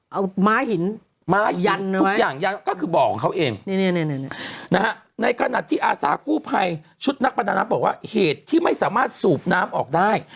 เอาม้าหินม้ายันทุกอย่างยันก็คือบ่อของเขาเองในขณะที่อาสากู้ภัยชุดนักประดาน้ำบอกว่าเหตุที่ไม่สามารถสูบน้ำออกได้